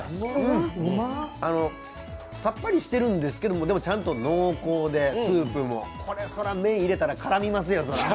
さっぱりしてるんですけど、ちゃんとスープも濃厚でこれ、そら麺入れたら絡みますよ。